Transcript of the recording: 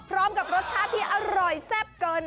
พร้อมกับรสชาติที่อร่อยแซ่บเกิน